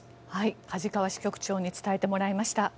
梶川支局長に伝えてもらいました。